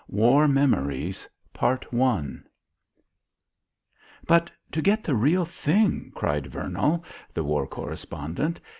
WAR MEMORIES "But to get the real thing!" cried Vernall, the war correspondent.